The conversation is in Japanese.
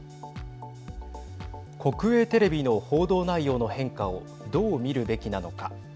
国営テレビの報道内容の変化をどう見るべきなのか。